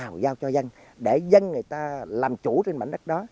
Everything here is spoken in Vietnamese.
cái nào giao cho dân để dân người ta làm chủ trên mảnh đất đó